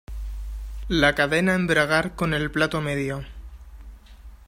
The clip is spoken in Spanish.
La cadena embragar con el plato medio.